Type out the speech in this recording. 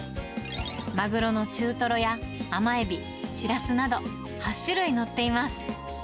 マグロの中トロや、甘エビ、シラスなど８種類載っています。